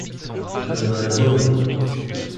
Le malheureux!